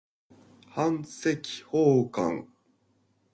版籍奉還